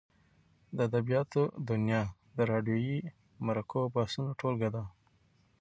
د ادبیاتو دونیا د راډیووي مرکو او بحثو ټولګه ده.